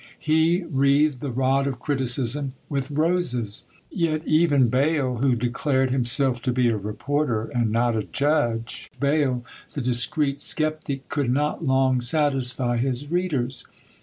He wreathed the rod of criticism with roses. Yet even BAYLE, who declared himself to be a reporter, and not a judge, BAYLE, the discreet sceptic, could not long satisfy his readers.